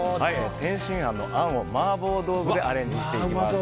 天津飯のあんを麻婆豆腐でアレンジしていきます。